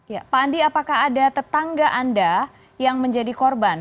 ya pak andi apakah ada tetangga anda yang menjadi korban